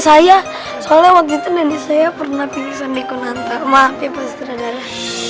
saya soalnya waktu itu nenek saya pernah pingsan ikon antar maaf ya pasutradara